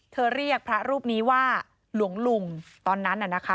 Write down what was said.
เรียกพระรูปนี้ว่าหลวงลุงตอนนั้นน่ะนะคะ